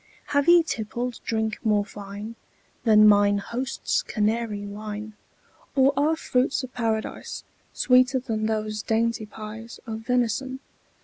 Have ye tippled drink more fine Than mine host's Canary wine? Or are fruits of Paradise Sweeter than those dainty pies Of venison?